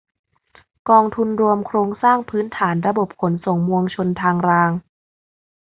กองทุนรวมโครงสร้างพื้นฐานระบบขนส่งมวลชนทางราง